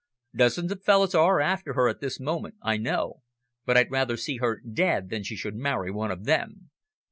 Dozens of fellows are after her at this moment, I know, but I'd rather see her dead than she should marry one of them.